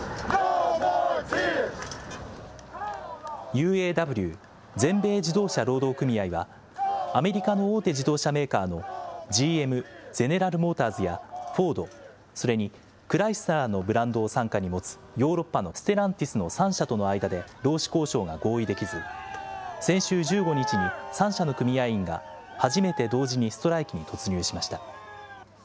ＵＡＷ・全米自動車労働組合は、アメリカの大手自動車メーカーのＧＭ・ゼネラル・モーターズやフォード、それにクライスラーのブランドを傘下に持つヨーロッパのステランティスの３社との間で労使交渉が合意できず、先週１５日に３社の組合員が、初めて同時にストライキに突入しました。